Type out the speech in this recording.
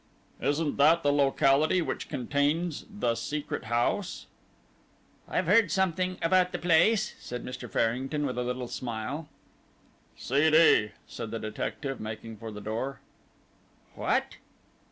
"Isn't that the locality which contains the Secret House?" "I've heard something about the place," said Mr. Farrington with a little smile. "C. D.," said the detective, making for the door. "What?"